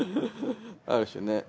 ある種ね。